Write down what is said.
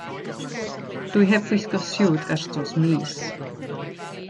Dw i heb wisgo siwt ers dros mis.